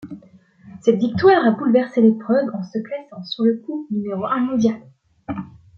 Cette victoire a bouleversé l'épreuve en se classant sur le coup numéro un mondiale.